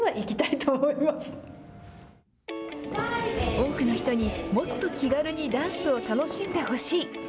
多くの人にもっと気軽にダンスを楽しんでほしい。